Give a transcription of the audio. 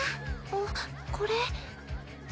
あっこれ。